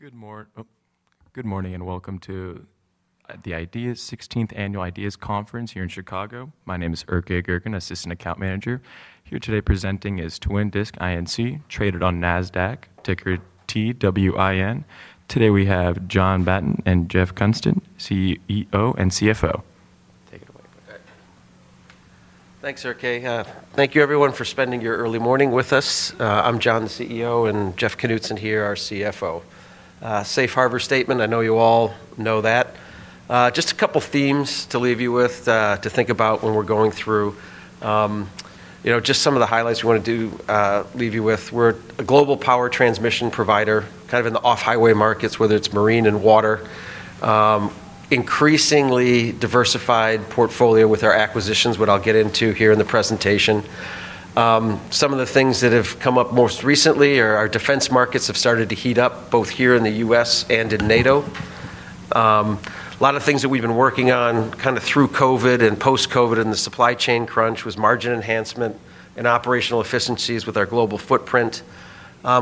Good morning and welcome to the IDEAS 16th Annual IDEAS Conference here in Chicago. My name is Erke Girgin, Assistant ccount Manager. Here today presenting is Twin Disc Inc., traded on NASDAQ, ticker TWIN. Today we have John Batten and Jeffrey Knutson, CEO and CFO. Take it away, Burt. Thanks, Erke. Thank you, everyone, for spending your early morning with us. I'm John, the CEO, and Jeff Knutson here, our CFO. Safe harbor statement, I know you all know that. Just a couple of themes to leave you with to think about when we're going through just some of the highlights we want to do leave you with. We're a global power transmission provider, kind of in the off-highway markets, whether it's marine and water. Increasingly diversified portfolio with our acquisitions, what I'll get into here in the presentation. Some of the things that have come up most recently are our defense markets have started to heat up, both here in the U.S. and in NATO. A lot of things that we've been working on kind of through COVID and post-COVID and the supply chain crunch was margin enhancement and operational efficiencies with our global footprint.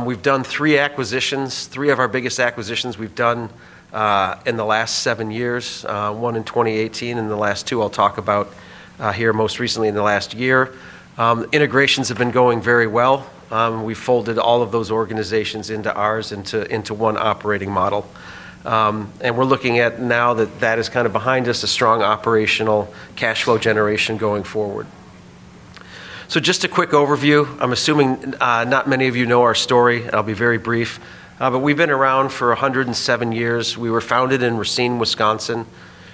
We've done three acquisitions, three of our biggest acquisitions we've done in the last seven years, one in 2018 and the last two I'll talk about here, most recently in the last year. Integrations have been going very well. We folded all of those organizations into ours into one operating model. We're looking at now that that is kind of behind us, a strong operational cash flow generation going forward. Just a quick overview, I'm assuming not many of you know our story. I'll be very brief. We've been around for 107 years. We were founded in Racine, Wisconsin.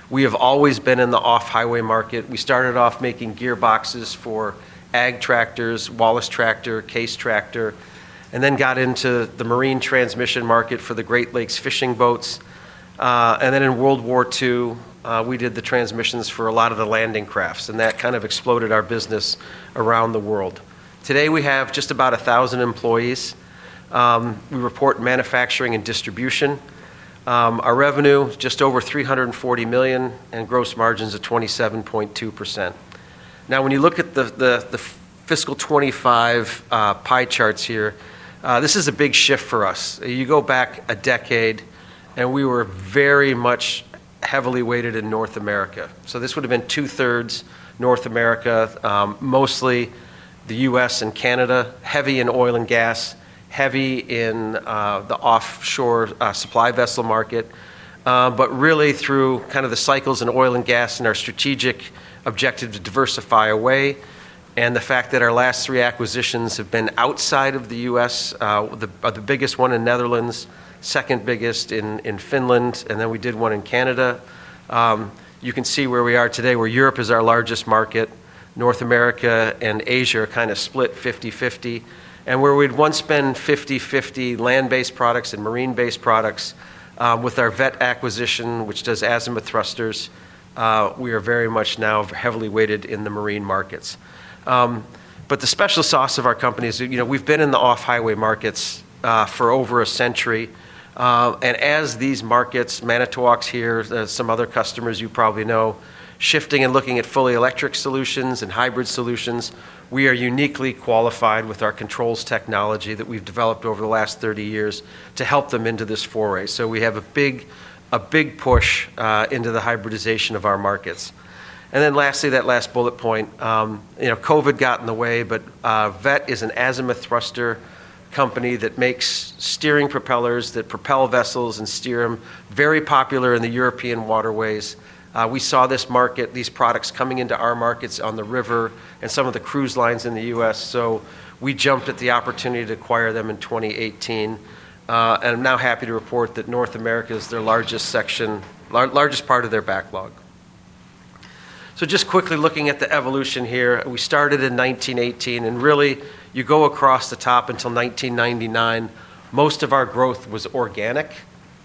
We have always been in the off-highway market. We started off making gearboxes for ag tractors, Wallace tractor, Case tractor, and then got into the marine transmission market for the Great Lakes fishing boats. In World War II, we did the transmissions for a lot of the landing crafts, and that kind of exploded our business around the world. Today we have just about 1,000 employees. We report manufacturing and distribution. Our revenue, just over $340 million and gross margins of 27.2%. Now, when you look at the fiscal 2025 pie charts here, this is a big shift for us. You go back a decade and we were very much heavily weighted in North America. This would have been two-thirds North America, mostly the U.S. and Canada, heavy in oil and gas, heavy in the offshore supply vessel market. Really through kind of the cycles in oil and gas and our strategic objective to diversify away and the fact that our last three acquisitions have been outside of the U.S., the biggest one in the Netherlands, second biggest in Finland, and then we did one in Canada. You can see where we are today, where Europe is our largest market, North America and Asia are kind of split 50/50. Where we'd once been 50/50 land-based products and marine-based products with our Veth acquisition, which does azimuth drives, we are very much now heavily weighted in the marine markets. The special sauce of our company is, you know, we've been in the off-highway markets for over a century. As these markets, Manitowoc's here, some other customers you probably know, shifting and looking at fully electric solutions and hybrid solutions, we are uniquely qualified with our controls technology that we've developed over the last 30 years to help them into this foray. We have a big push into the hybridization of our markets. Lastly, that last bullet point, you know, COVID got in the way, but Veth is an azimuth drives company that makes steering propellers that propel vessels and steer them, very popular in the European waterways. We saw this market, these products coming into our markets on the river and some of the cruise lines in the U.S., so we jumped at the opportunity to acquire them in 2018. I'm now happy to report that North America is their largest section, largest part of their backlog. Just quickly looking at the evolution here, we started in 1918 and really you go across the top until 1999, most of our growth was organic.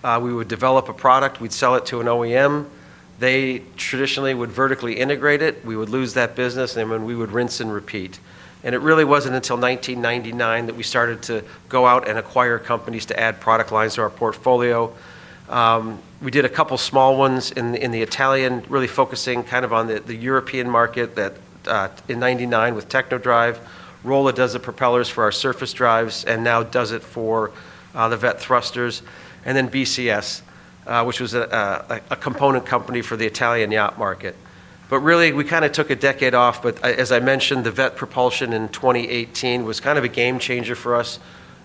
We would develop a product, we'd sell it to an OEM, they traditionally would vertically integrate it, we would lose that business and then we would rinse and repeat. It really wasn't until 1999 that we started to go out and acquire companies to add product lines to our portfolio. We did a couple of small ones in the Italian, really focusing kind of on the European market that in 1999 with Technodrive, Rolla does the propellers for our surface drives and now does it for the Veth thrusters. Then BCS, which was a component company for the Italian yacht market. We kind of took a decade off, but as I mentioned, the Veth Propulsion in 2018 was kind of a game changer for us.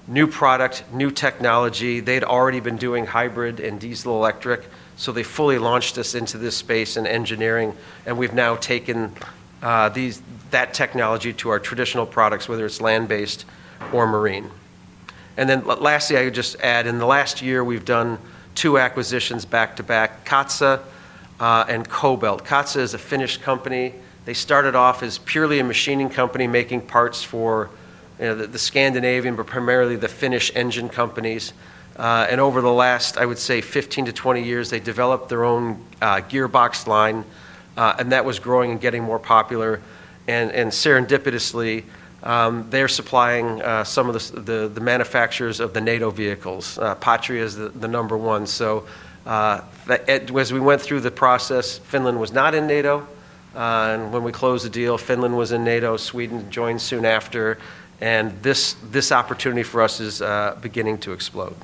New product, new technology, they'd already been doing hybrid and diesel electric, so they fully launched us into this space and engineering, and we've now taken that technology to our traditional products, whether it's land-based or marine. Lastly, I would just add in the last year we've done two acquisitions back to back, Katsa and Kobelt. Katsa is a Finnish company. They started off as purely a machining company making parts for the Scandinavian, but primarily the Finnish engine companies. Over the last, I would say, 15-20 years, they developed their own gearbox line, and that was growing and getting more popular. Serendipitously, they're supplying some of the manufacturers of the NATO vehicles, Patria is the number one. As we went through the process, Finland was not in NATO. When we closed the deal, Finland was in NATO, Sweden joined soon after, and this opportunity for us is beginning to explode.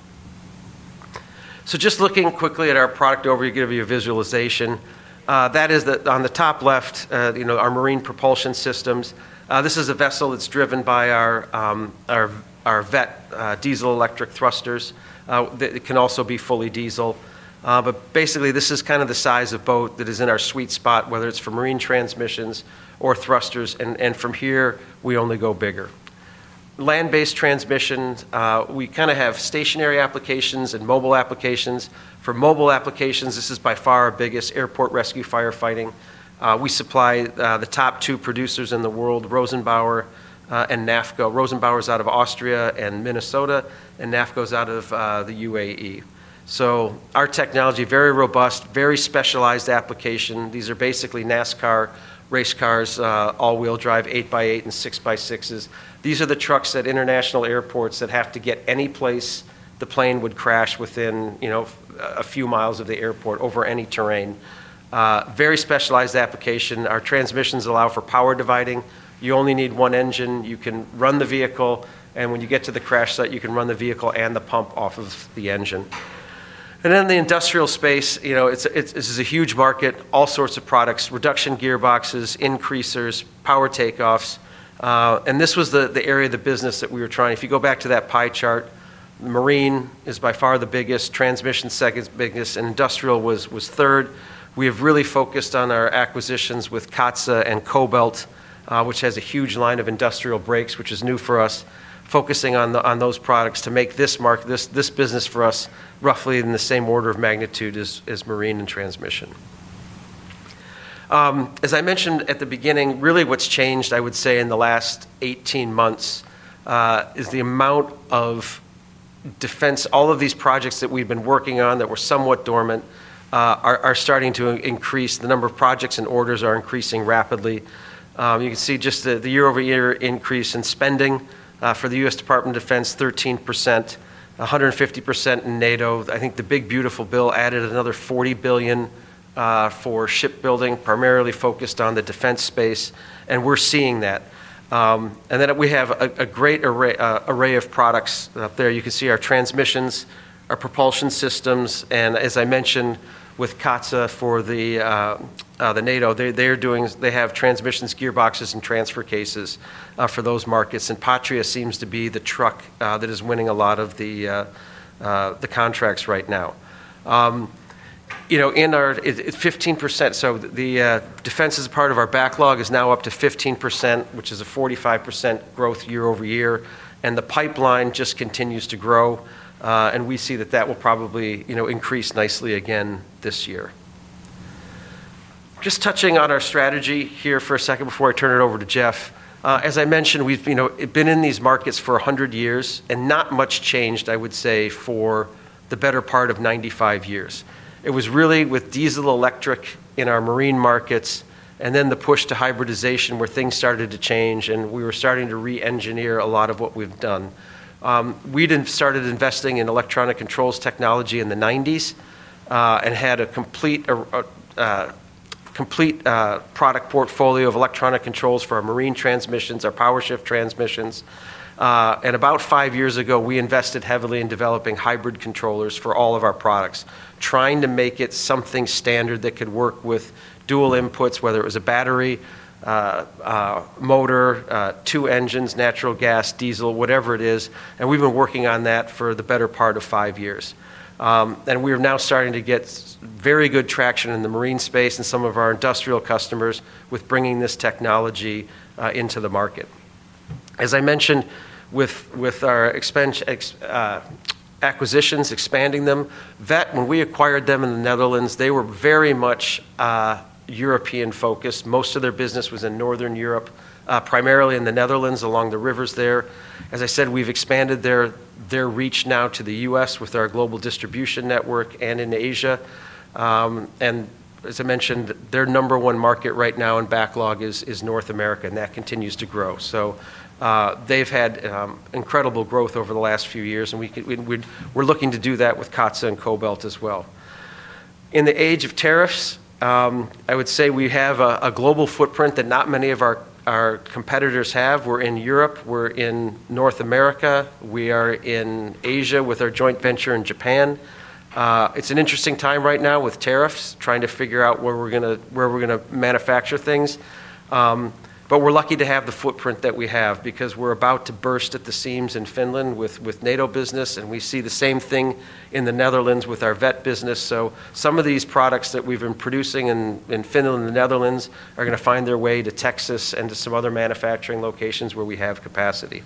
Just looking quickly at our product overview, give you a visualization. That is that on the top left, you know, our marine propulsion systems. This is a vessel that's driven by our Veth diesel electric thrusters. It can also be fully diesel. Basically, this is kind of the size of boat that is in our sweet spot, whether it's for marine transmissions or thrusters, and from here, we only go bigger. Land-based transmissions, we kind of have stationary applications and mobile applications. For mobile applications, this is by far our biggest airport rescue firefighting. We supply the top two producers in the world, Rosenbauer and NAFCO. Rosenbauer's out of Austria and Minnesota, and NAFCO's out of the UAE. Our technology, very robust, very specialized application. These are basically NASCAR race cars, all-wheel drive, 8x8 and 6x6s. These are the trucks at international airports that have to get any place. The plane would crash within, you know, a few miles of the airport over any terrain. Very specialized application. Our transmissions allow for power dividing. You only need one engine. You can run the vehicle, and when you get to the crash site, you can run the vehicle and the pump off of the engine. In the industrial space, you know, it's a huge market, all sorts of products, reduction gearboxes, increasers, power take-offs. This was the area of the business that we were trying. If you go back to that pie chart, marine is by far the biggest, transmission second biggest, and industrial was third. We have really focused on our acquisitions with Katsa and Kobelt, which has a huge line of industrial brakes, which is new for us, focusing on those products to make this market, this business for us, roughly in the same order of magnitude as marine and transmission. As I mentioned at the beginning, really what's changed, I would say, in the last 18 months is the amount of defense. All of these projects that we've been working on that were somewhat dormant are starting to increase. The number of projects and orders are increasing rapidly. You can see just the year-over-year increase in spending for the U.S. Department of Defense, 13%, 150% in NATO. I think the big beautiful bill added another $40 billion for shipbuilding, primarily focused on the defense space, and we're seeing that. We have a great array of products up there. You can see our transmissions, our propulsion systems, and as I mentioned with Katsa for NATO, they're doing, they have transmissions, gearboxes, and transfer cases for those markets. Patria seems to be the truck that is winning a lot of the contracts right now. In our, it's 15%, so the defense is a part of our backlog is now up to 15%, which is a 45% growth year-over-year, and the pipeline just continues to grow, and we see that that will probably, you know, increase nicely again this year. Just touching on our strategy here for a second before I turn it over to Jeff. As I mentioned, we've been in these markets for 100 years and not much changed, I would say, for the better part of 95 years. It was really with diesel electric in our marine markets and then the push to hybridization where things started to change and we were starting to re-engineer a lot of what we've done. We started investing in electronic controls technology in the '90s and had a complete product portfolio of electronic controls for our marine transmissions, our power-shift transmissions. About five years ago, we invested heavily in developing hybrid controllers for all of our products, trying to make it something standard that could work with dual inputs, whether it was a battery, motor, two engines, natural gas, diesel, whatever it is. We've been working on that for the better part of five years. We are now starting to get very good traction in the marine space and some of our industrial customers with bringing this technology into the market. As I mentioned, with our acquisitions, expanding them, Veth, when we acquired them in the Netherlands, they were very much European focused. Most of their business was in Northern Europe, primarily in the Netherlands along the rivers there. As I said, we've expanded their reach now to the U.S. with our global distribution network and in Asia. As I mentioned, their number one market right now in backlog is North America, and that continues to grow. They've had incredible growth over the last few years, and we're looking to do that with Katsa and Kobelt as well. In the age of tariffs, I would say we have a global footprint that not many of our competitors have. We're in Europe, we're in North America, we are in Asia with our joint venture in Japan. It's an interesting time right now with tariffs, trying to figure out where we're going to manufacture things. We're lucky to have the footprint that we have because we're about to burst at the seams in Finland with NATO business, and we see the same thing in the Netherlands with our Veth business. Some of these products that we've been producing in Finland and the Netherlands are going to find their way to Texas and to some other manufacturing locations where we have capacity.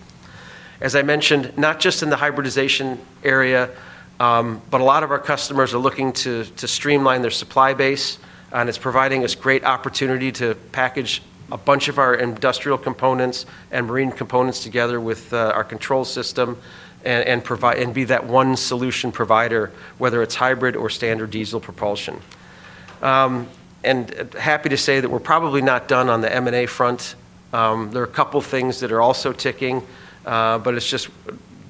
As I mentioned, not just in the hybridization area, but a lot of our customers are looking to streamline their supply base, and it's providing us great opportunity to package a bunch of our industrial components and marine components together with our control system and be that one solution provider, whether it's hybrid or standard diesel propulsion. I'm happy to say that we're probably not done on the M&A front. There are a couple of things that are also ticking, but it's just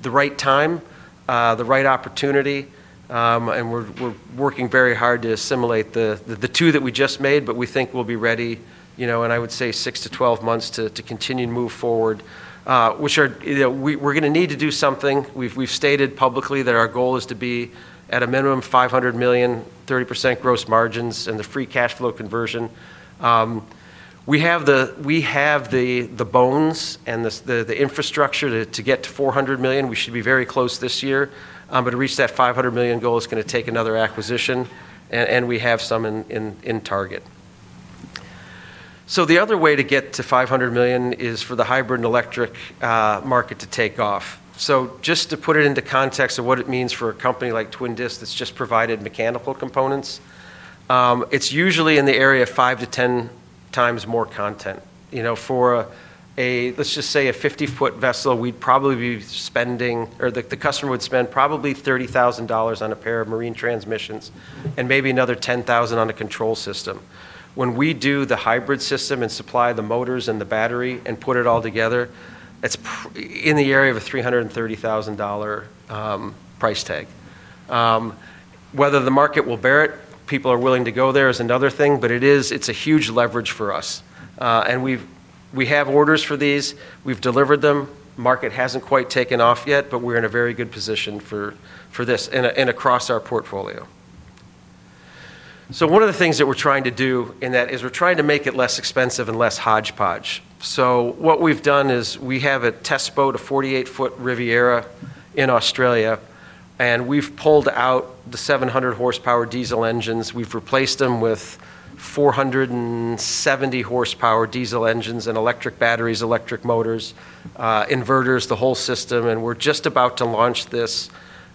the right time, the right opportunity, and we're working very hard to assimilate the two that we just made, but we think we'll be ready, you know, and I would say six to 12 months to continue to move forward. We're going to need to do something. We've stated publicly that our goal is to be at a minimum $500 million, 30% gross margins, and the free cash flow conversion. We have the bones and the infrastructure to get to $400 million. We should be very close this year, but to reach that $500 million goal is going to take another acquisition, and we have some in target. The other way to get to $500 million is for the hybrid and electric market to take off. Just to put it into context of what it means for a company like Twin Disc that's just provided mechanical components, it's usually in the area of 5x to 10x more content. For a, let's just say, a 50 ft vessel, we'd probably be spending, or the customer would spend probably $30,000 on a pair of marine transmissions and maybe another $10,000 on a control system. When we do the hybrid system and supply the motors and the battery and put it all together, it's in the area of a $330,000 price tag. Whether the market will bear it, people are willing to go there is another thing, but it is, it's a huge leverage for us. We have orders for these, we've delivered them, market hasn't quite taken off yet, but we're in a very good position for this and across our portfolio. One of the things that we're trying to do in that is we're trying to make it less expensive and less hodgepodge. What we've done is we have a test boat, a 48 ft Riviera in Australia, and we've pulled out the 700 horsepower diesel engines. We've replaced them with 470 horsepower diesel engines, electric batteries, electric motors, inverters, the whole system, and we're just about to launch this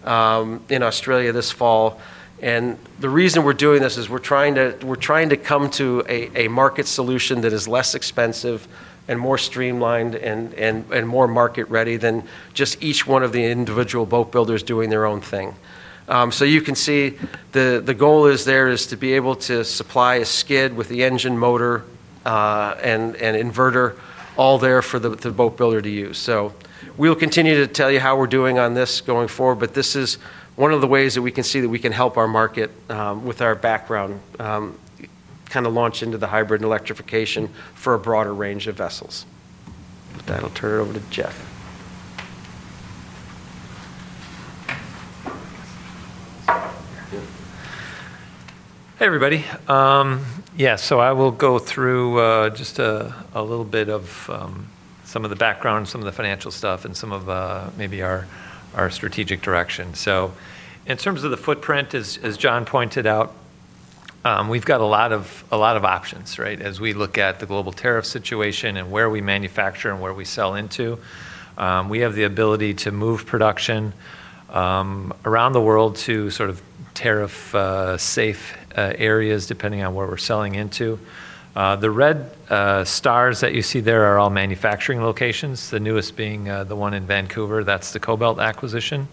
in Australia this fall. The reason we're doing this is we're trying to come to a market solution that is less expensive and more streamlined and more market-ready than just each one of the individual boat builders doing their own thing. You can see the goal is there to be able to supply a skid with the engine, motor, and inverter all there for the boat builder to use. We'll continue to tell you how we're doing on this going forward, but this is one of the ways that we can see that we can help our market with our background kind of launch into the hybrid and electrification for a broader range of vessels. That'll turn it over to Jeff. Hey everybody. Yeah, I will go through just a little bit of some of the background, some of the financial stuff, and some of maybe our strategic direction. In terms of the footprint, as John pointed out, we've got a lot of options, right? As we look at the global tariff situation and where we manufacture and where we sell into, we have the ability to move production around the world to sort of tariff-safe areas depending on where we're selling into. The red stars that you see there are all manufacturing locations, the newest being the one in Vancouver, that's the Kobelt acquisition.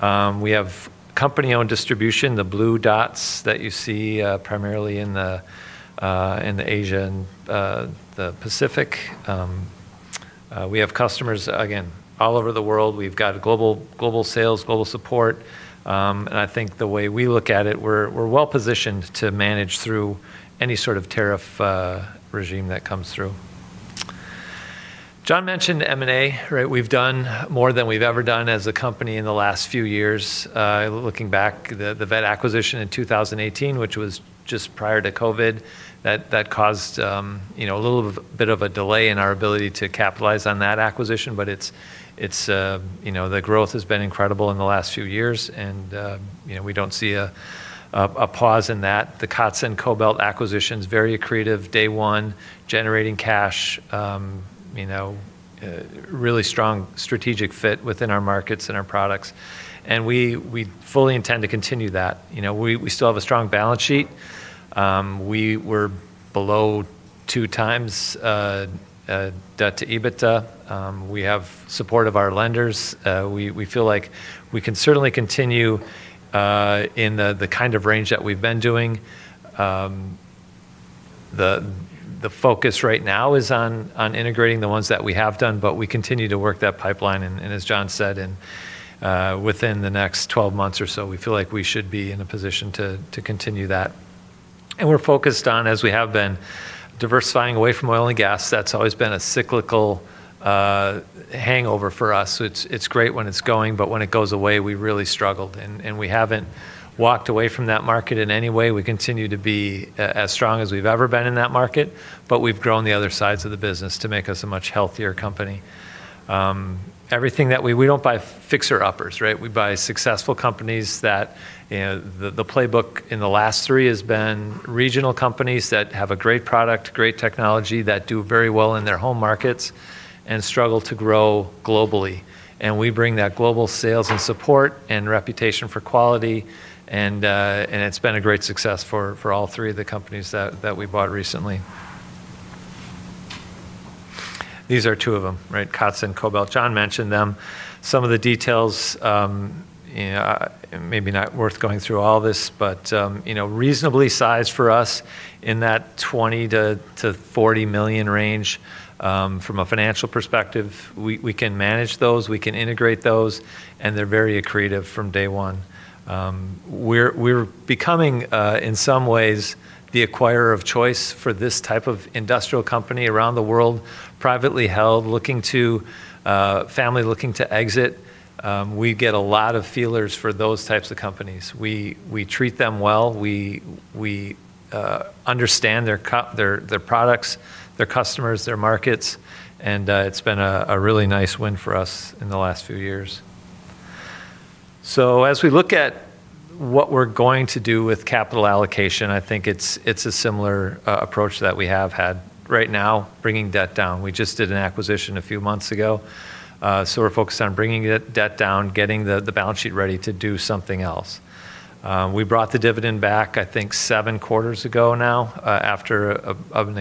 We have company-owned distribution, the blue dots that you see primarily in Asia and the Pacific. We have customers, again, all over the world. We've got global sales, global support, and I think the way we look at it, we're well positioned to manage through any sort of tariff regime that comes through. John mentioned M&A, right? We've done more than we've ever done as a company in the last few years. Looking back, the Veth acquisition in 2018, which was just prior to COVID, that caused a little bit of a delay in our ability to capitalize on that acquisition, but the growth has been incredible in the last few years, and we don't see a pause in that. The Katsa and Kobelt acquisitions, very accretive day one, generating cash, really strong strategic fit within our markets and our products. We fully intend to continue that. We still have a strong balance sheet. We were below 2x debt to EBITDA. We have support of our lenders. We feel like we can certainly continue in the kind of range that we've been doing. The focus right now is on integrating the ones that we have done, but we continue to work that pipeline, and as John said, within the next 12 months or so, we feel like we should be in a position to continue that. We're focused on, as we have been, diversifying away from oil and gas. That's always been a cyclical hangover for us. It's great when it's going, but when it goes away, we really struggled, and we haven't walked away from that market in any way. We continue to be as strong as we've ever been in that market, but we've grown the other sides of the business to make us a much healthier company. Everything that we, we don't buy fixer-uppers, right? We buy successful companies that, the playbook in the last three has been regional companies that have a great product, great technology, that do very well in their home markets and struggle to grow globally. We bring that global sales and support and reputation for quality, and it's been a great success for all three of the companies that we bought recently. These are two of them, right? Katsa and Kobelt. John mentioned them. Some of the details, maybe not worth going through all this, but reasonably sized for us in that $20 million-$40 million range. From a financial perspective, we can manage those, we can integrate those, and they're very accretive from day one. We're becoming, in some ways, the acquirer of choice for this type of industrial company around the world, privately held, looking to, family looking to exit. We get a lot of feelers for those types of companies. We treat them well. We understand their products, their customers, their markets, and it's been a really nice win for us in the last few years. As we look at what we're going to do with capital allocation, I think it's a similar approach that we have had. Right now, bringing debt down. We just did an acquisition a few months ago. We're focused on bringing debt down, getting the balance sheet ready to do something else. We brought the dividend back, I think, seven quarters ago now, after an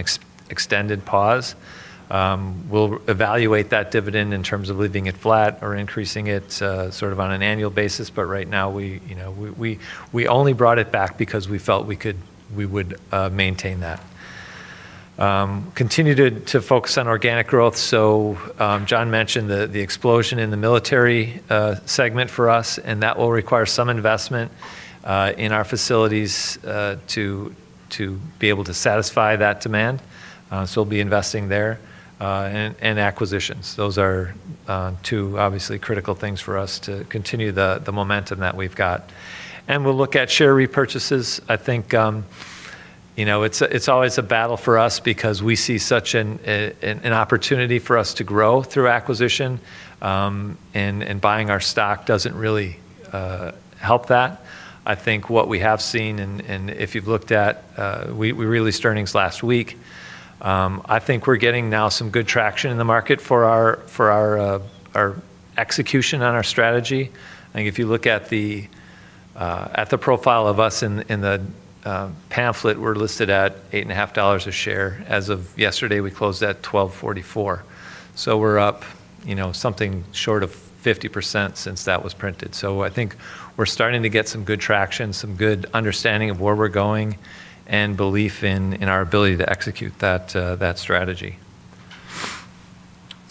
extended pause. We'll evaluate that dividend in terms of leaving it flat or increasing it on an annual basis, but right now, we only brought it back because we felt we could, we would maintain that. Continue to focus on organic growth. John mentioned the explosion in the military segment for us, and that will require some investment in our facilities to be able to satisfy that demand. We'll be investing there and acquisitions. Those are two obviously critical things for us to continue the momentum that we've got. We'll look at share repurchases. I think it's always a battle for us because we see such an opportunity for us to grow through acquisition, and buying our stock doesn't really help that. I think what we have seen, and if you've looked at, we released earnings last week, I think we're getting now some good traction in the market for our execution and our strategy. I think if you look at the profile of us in the pamphlet, we're listed at $8.50 a share. As of yesterday, we closed at $12.44. We're up something short of 50% since that was printed. I think we're starting to get some good traction, some good understanding of where we're going, and belief in our ability to execute that strategy.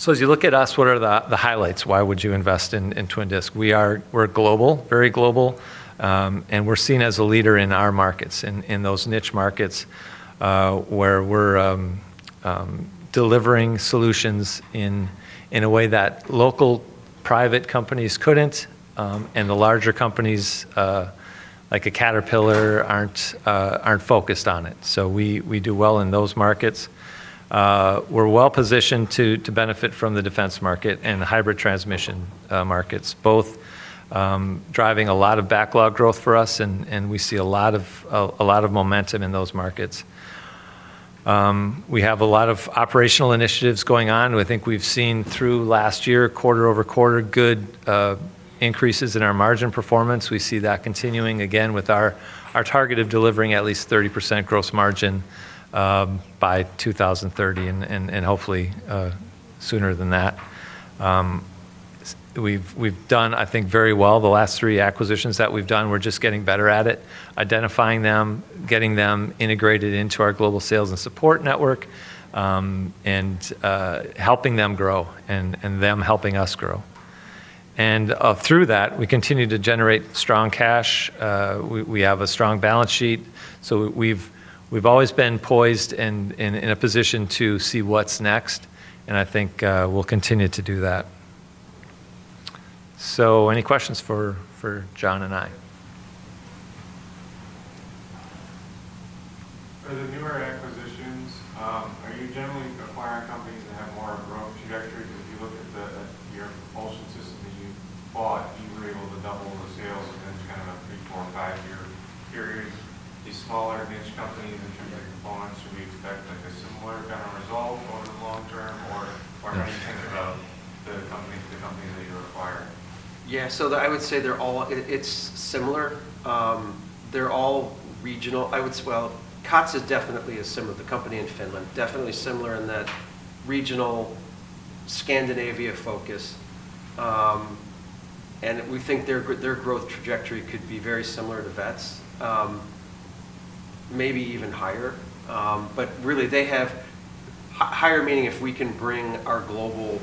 As you look at us, what are the highlights? Why would you invest in Twin Disc? We are global, very global, and we're seen as a leader in our markets, in those niche markets where we're delivering solutions in a way that local private companies couldn't, and the larger companies like a Caterpillar aren't focused on it. We do well in those markets. We're well positioned to benefit from the defense market and hybrid transmission markets, both driving a lot of backlog growth for us, and we see a lot of momentum in those markets. We have a lot of operational initiatives going on. I think we've seen through last year, quarter-over-quarter, good increases in our margin performance. We see that continuing again with our target of delivering at least 30% gross margin by 2030 and hopefully sooner than that. We've done, I think, very well. The last three acquisitions that we've done, we're just getting better at it, identifying them, getting them integrated into our global sales and support network, and helping them grow and them helping us grow. Through that, we continue to generate strong cash. We have a strong balance sheet. We've always been poised and in a position to see what's next, and I think we'll continue to do that. Any questions for John and I? Are the newer acquisitions, are you generally acquiring companies that have more growth trajectory? Because if you look at the year post, you thought you were able to double the sales against kind of a big profile periods. The smaller niche companies that you're getting, do you expect like a similar kind of result over the long term or are you thinking about the companies that you acquire? Yeah, so I would say they're all, it's similar. They're all regional. I would say, Katsa is definitely a similar, the company in Finland, definitely similar in that regional Scandinavia focus. We think their growth trajectory could be very similar to Veth's, maybe even higher. They have higher meaning if we can bring our global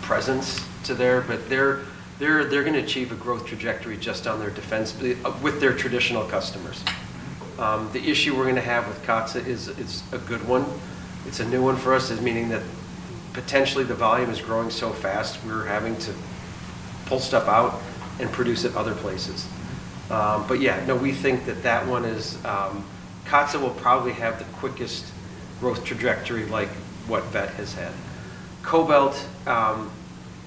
presence to there, but they're going to achieve a growth trajectory just on their defense with their traditional customers. The issue we're going to have with Katsa is a good one. It's a new one for us, meaning that potentially the volume is growing so fast we're having to pull stuff out and produce at other places. We think that that one is, Katsa will probably have the quickest growth trajectory like what Veth has had. Kobelt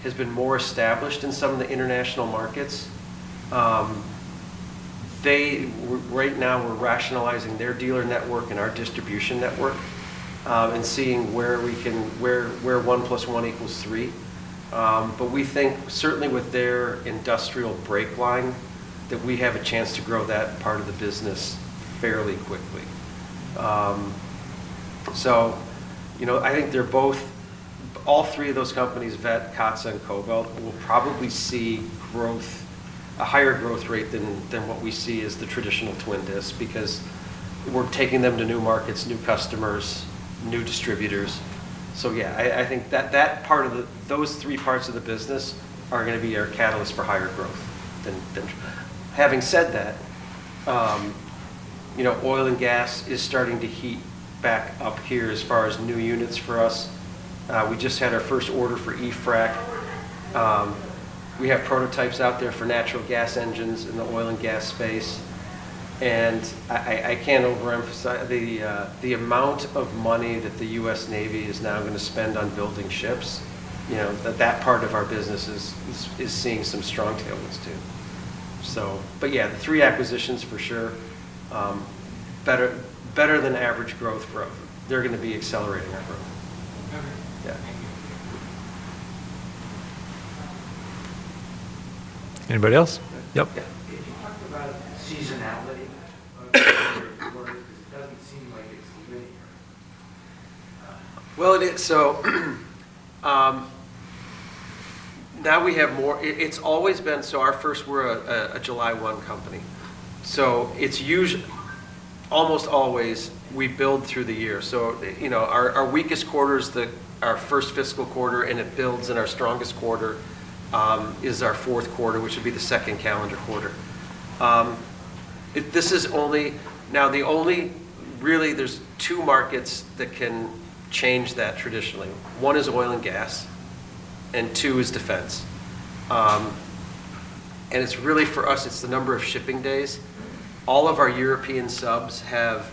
has been more established in some of the international markets. Right now, we're rationalizing their dealer network and our distribution network and seeing where we can, where 1+1 = 3. We think certainly with their industrial brake line that we have a chance to grow that part of the business fairly quickly. I think they're both, all three of those companies, Veth, Katsa, and Kobelt, will probably see growth, a higher growth rate than what we see as the traditional Twin Disc because we're taking them to new markets, new customers, new distributors. I think that part of those three parts of the business are going to be our catalysts for higher growth. Having said that, oil and gas is starting to heat back up here as far as new units for us. We just had our first order for e-frac. We have prototypes out there for natural gas engines in the oil and gas space. I can't overemphasize the amount of money that the U.S. Navy is now going to spend on building ships. That part of our business is seeing some strong tailwinds too. The three acquisitions for sure, better than average growth for, they're going to be accelerating our growth. Okay. Yeah. Anybody else? Yep. Can you talk about seasonality? It is, now we have more, it's always been, our first, we're a July 1 company. It's usually, almost always, we build through the year. Our weakest quarter is our first fiscal quarter, and it builds, and our strongest quarter is our fourth quarter, which would be the second calendar quarter. There are really two markets that can change that traditionally. One is oil and gas, and two is defense. It's really, for us, the number of shipping days. All of our European subs have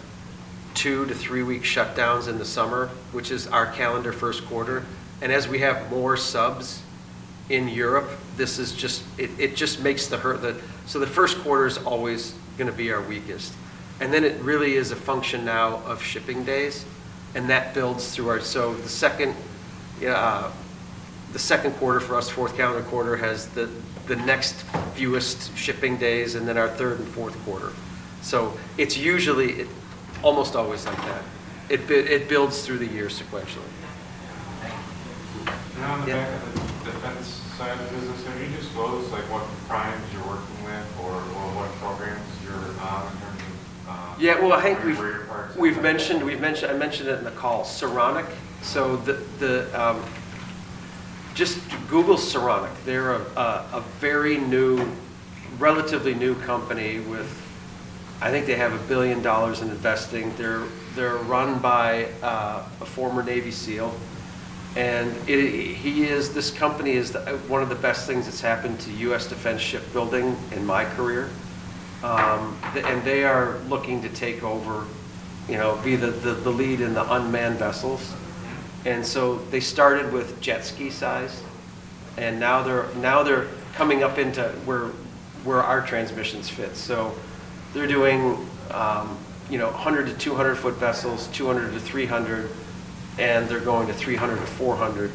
two to three week shutdowns in the summer, which is our calendar first quarter. As we have more subs in Europe, it just makes the herd, so the first quarter is always going to be our weakest. It really is a function now of shipping days, and that builds through our, the second quarter for us, fourth calendar quarter, has the next fewest shipping days, and then our third and fourth quarter. It's usually, it's almost always like that. It builds through the year sequentially. On the back of it, defense assignments, are you disclosed like what kinds you're working with or what programs you're doing? I think we've mentioned, I mentioned it in the call, Saronic. Just Google Saronic, they're a very new, relatively new company with, I think they have $1 billion in investing. They're run by a former Navy SEAL. This company is one of the best things that's happened to U.S. defense shipbuilding in my career. They are looking to take over, you know, be the lead in the unmanned vessels. They started with jet ski size, and now they're coming up into where our transmissions fit. They're doing 100-200 ft vessels, 200-300, and they're going to 300-400.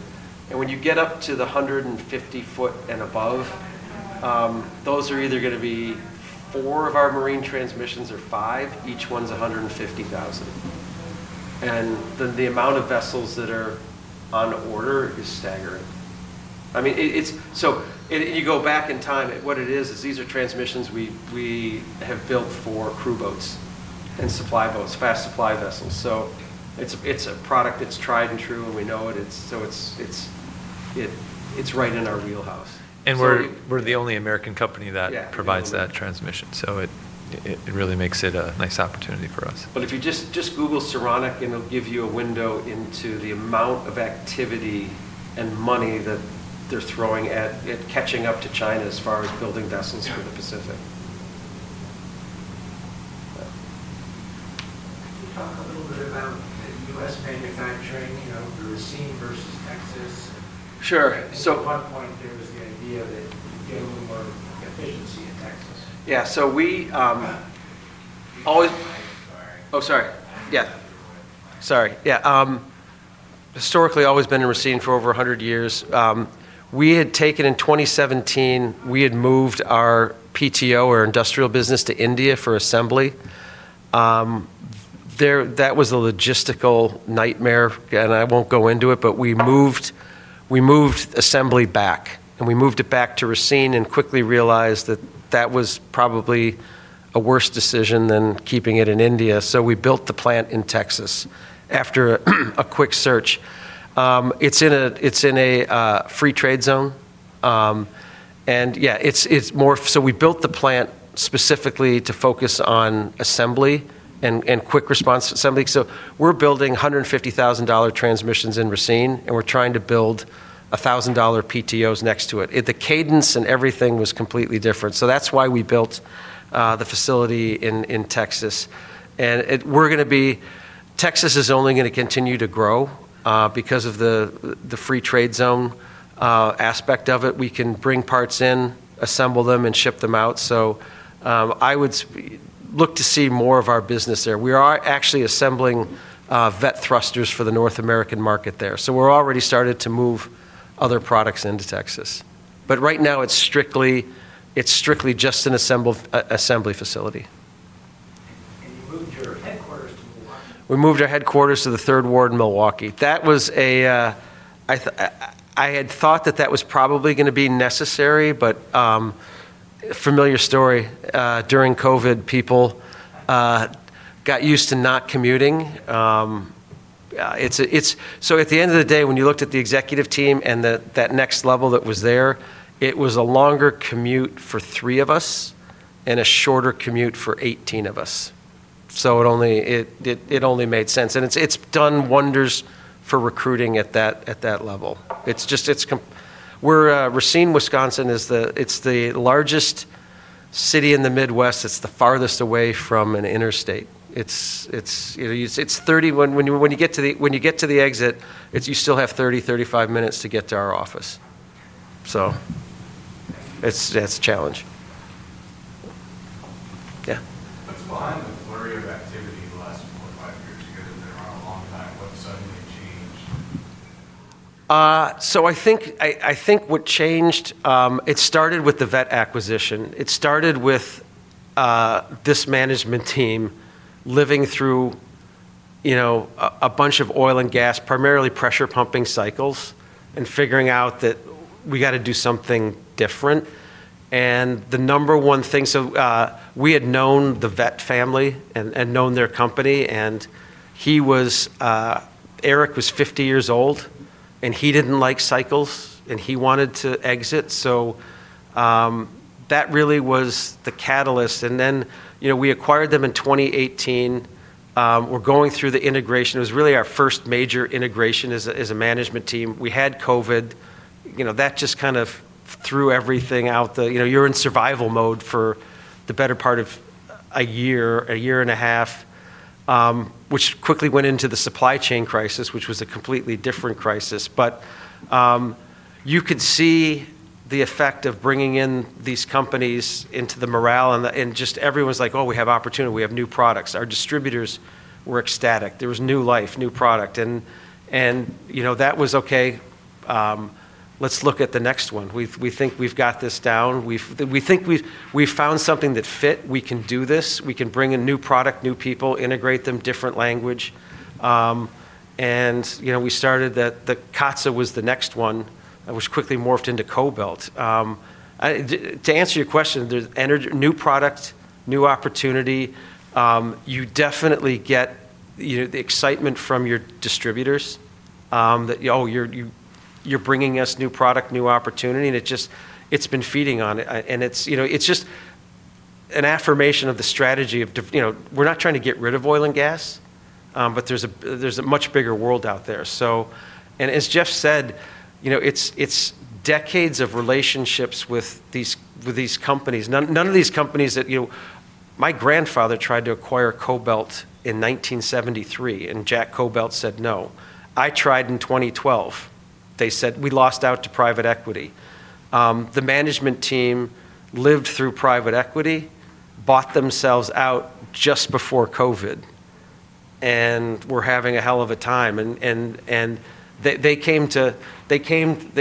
When you get up to the 150 ft and above, those are either going to be four of our marine transmissions or five, each one's $150,000. The amount of vessels that are on order is staggering. You go back in time, what it is, is these are transmissions we have built for crew boats and supply boats, fast supply vessels. It's a product that's tried and true, and we know it, so it's right in our wheelhouse. We're the only American company that provides that transmission, so it really makes it a nice opportunity for us. If you just Google Saronic, it'll give you a window into the amount of activity and money that they're throwing at catching up to China as far as building vessels for the Pacific. You talk a little bit about the resonated factoring, you know, the Racine versus Texas. Sure. Part of mine there was the idea that you get a little more efficiency at Texas. Yeah, we always, sorry, historically always been in Racine for over a hundred years. We had taken in 2017, we had moved our PTO or industrial business to India for assembly. That was a logistical nightmare, and I won't go into it, but we moved assembly back, and we moved it back to Racine and quickly realized that that was probably a worse decision than keeping it in India. We built the plant in Texas after a quick search. It's in a free trade zone. It's more, we built the plant specifically to focus on assembly and quick response assembly. We're building $150,000 transmissions in Racine, and we're trying to build $1,000 PTOs next to it. The cadence and everything was completely different. That's why we built the facility in Texas. Texas is only going to continue to grow because of the free trade zone aspect of it. We can bring parts in, assemble them, and ship them out. I would look to see more of our business there. We are actually assembling Veth thrusters for the North American market there. We're already starting to move other products into Texas. Right now, it's strictly just an assembly facility. You moved your headquarters to. We moved our headquarters to the Third Ward in Milwaukee. I had thought that that was probably going to be necessary, but familiar story. During COVID, people got used to not commuting. At the end of the day, when you looked at the executive team and that next level that was there, it was a longer commute for three of us and a shorter commute for 18 of us. It only made sense. It's done wonders for recruiting at that level. We're Racine, Wisconsin. It's the largest city in the Midwest. It's the farthest away from an interstate. It's, you know, it's 31, when you get to the exit, you still have 30, 35 minutes to get to our office. It's a challenge. For your activity, the last bullet, I'd like to hear them there on the back. What suddenly changed? I think what changed, it started with the Veth acquisition. It started with this management team living through a bunch of oil and gas, primarily pressure pumping cycles, and figuring out that we got to do something different. The number one thing, we had known the Veth family and known their company, and he was, Eric was 50 years old, and he didn't like cycles, and he wanted to exit. That really was the catalyst. We acquired them in 2018. We're going through the integration. It was really our first major integration as a management team. We had COVID. That just kind of threw everything out. You're in survival mode for the better part of a year, a year and a half, which quickly went into the supply chain crisis, which was a completely different crisis. You could see the effect of bringing in these companies into the morale, and just everyone's like, oh, we have opportunity, we have new products. Our distributors were ecstatic. There was new life, new product. That was okay. Let's look at the next one. We think we've got this down. We think we've found something that fit. We can do this. We can bring in new product, new people, integrate them, different language. We started that, the Katsa was the next one, which quickly morphed into Kobelt. To answer your question, there's new product, new opportunity. You definitely get the excitement from your distributors that, oh, you're bringing us new product, new opportunity, and it's been feeding on it. It's just an affirmation of the strategy of, we're not trying to get rid of oil and gas, but there's a much bigger world out there. As Jeff said, it's decades of relationships with these companies. None of these companies that, my grandfather tried to acquire Kobelt in 1973, and Jack Kobelt said no. I tried in 2012. They said we lost out to private equity. The management team lived through private equity, bought themselves out just before COVID, and were having a hell of a time. They came to, they came,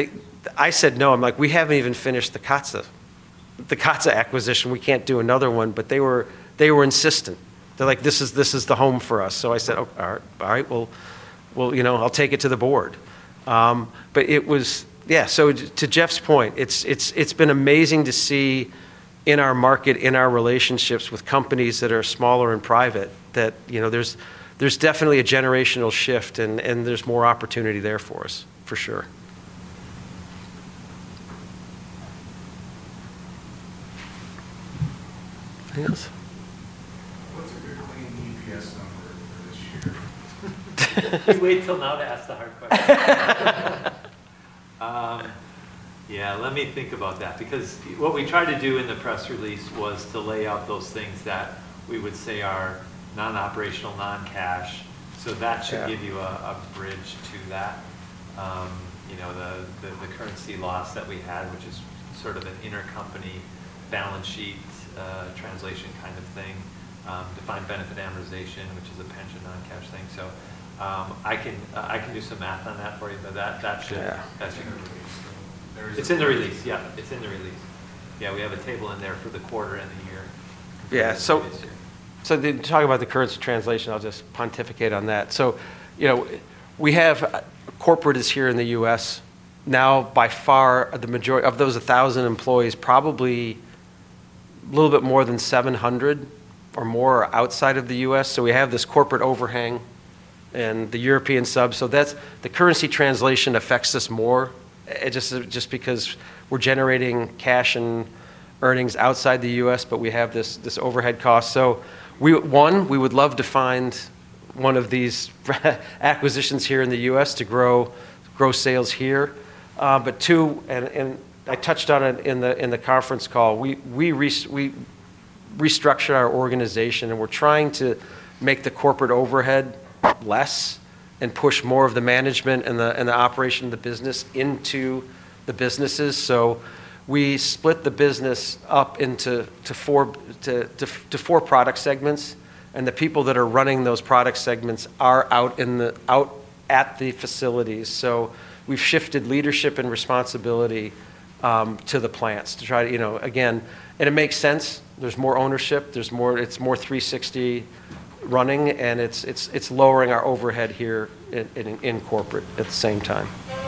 I said no. I'm like, we haven't even finished the Katsa acquisition. We can't do another one, but they were insistent. They're like, this is the home for us. I said, all right, I'll take it to the board. To Jeff's point, it's been amazing to see in our market, in our relationships with companies that are smaller and private, that there's definitely a generational shift, and there's more opportunity there for us, for sure. Anything else? What's your how many EPS done this year? Wait till now to ask the hard question. Let me think about that because what we tried to do in the press release was to lay out those things that we would say are non-operational, non-cash. That should give you a bridge to that. The currency loss that we had, which is sort of an intercompany balance sheet translation kind of thing, defined benefit amortization, which is a pension non-cash thing. I can do some math on that for you, but that should go to the release. It's in the release. It's in the release. We have a table in there for the quarter and the year. Talking about the currency translation, I'll just pontificate on that. We have corporatists here in the U.S. By far, the majority of those 1,000 employees, probably a little bit more than 700 or more, are outside of the U.S. We have this corporate overhang and the European subs. The currency translation affects us more. It's just because we're generating cash and earnings outside the U.S., but we have this overhead cost. One, we would love to find one of these acquisitions here in the U.S. to grow sales here. Two, and I touched on it in the conference call, we restructured our organization and we're trying to make the corporate overhead less and push more of the management and the operation of the business into the businesses. We split the business up into four product segments, and the people that are running those product segments are out at the facilities. We've shifted leadership and responsibility to the plants to try to, you know, again, and it makes sense. There's more ownership. There's more, it's more 360 running, and it's lowering our overhead here in corporate at the same time. All right.